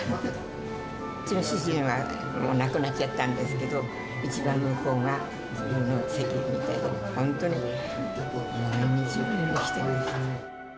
うちの主人はもう亡くなっちゃったんですけど、一番向こう側の席に座って、本当に毎日のように来てました。